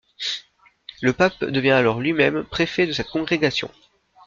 Le pape devient alors lui-même préfet de cette congrégation.